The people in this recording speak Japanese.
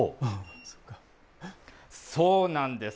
そうなんです。